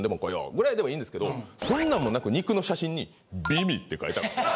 ぐらいでもいいんですけどそんなんもなく肉の写真に「美味」って書いてあるんですよ。